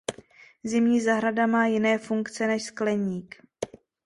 Zimní zahrada má jiné funkce než skleník.